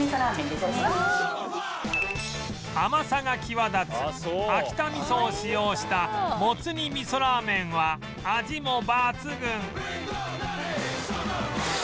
甘さが際立つ秋田味噌を使用したもつ煮味噌ラーメンは味も抜群！